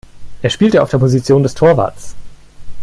Er spielte auf der Position des Torwarts.